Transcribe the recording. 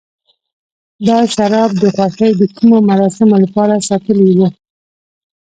دا شراب د خوښۍ د کومو مراسمو لپاره ساتلي و.